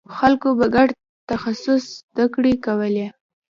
خلکو به ګډ تخصص زدکړې کولې.